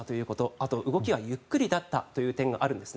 あと、動きがゆっくりだったという点があるんです。